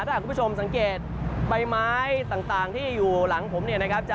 ถ้าคุณผู้ชมสังเกตใบไม้ต่างที่อยู่หลังผมเนี่ยนะครับ